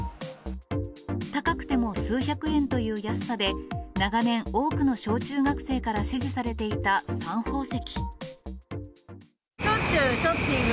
高くても数百円という安さで、長年、多くの小中学生から支持されていたサン宝石。